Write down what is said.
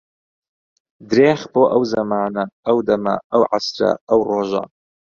درێخ بۆ ئەو زەمانە، ئەو دەمە، ئەو عەسرە، ئەو ڕۆژە